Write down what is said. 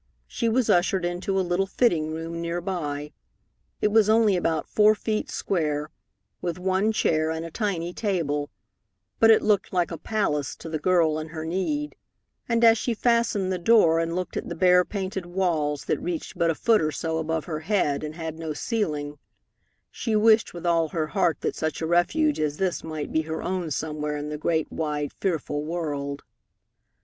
She was ushered into a little fitting room near by. It was only about four feet square, with one chair and a tiny table, but it looked like a palace to the girl in her need, and as she fastened the door and looked at the bare painted walls that reached but a foot or so above her head and had no ceiling, she wished with all her heart that such a refuge as this might be her own somewhere in the great, wide, fearful world.